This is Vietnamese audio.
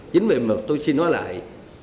chính vì vậy tôi xin nói lại